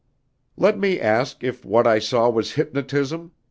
"Let me ask if what I saw was hypnotism?"